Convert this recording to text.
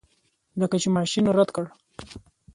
لکه چې ماشین رد کړ.